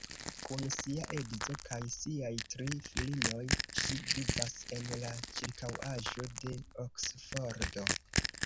Kun sia edzo kaj siaj tri filinoj ŝi vivas en la ĉirkaŭaĵo de Oksfordo.